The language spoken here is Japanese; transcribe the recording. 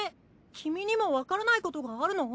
君にもわからないことがあるの？